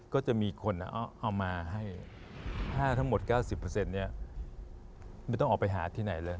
ก็จะมีคนเอามาให้ถ้าทั้งหมด๙๐เนี่ยไม่ต้องออกไปหาที่ไหนเลย